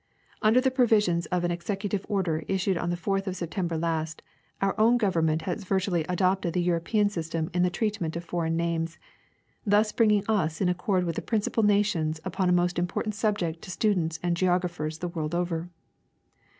Under the provisions of an executive order issued on the fourth of September last, our own Government has virtually adopted the European system in the treatment of foreign names, thus bring ing us in accord with the principal nations upon a most impor tant subject to students and geographers the world over.